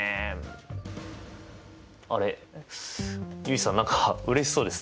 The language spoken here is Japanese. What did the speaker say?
あれっ結衣さん何かうれしそうですね。